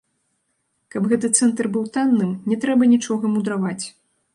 Каб гэты цэнтр быў танным, не трэба нічога мудраваць.